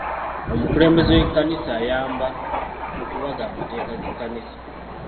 Omukulembeze w'ekkanisa ayamba mu kubaga amateeka g'ekkanisa.